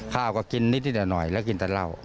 ข้าวก็กินนิดหน่อยแล้วกินแต่เหล้า